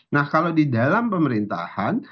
nah kalau di dalam pemerintahan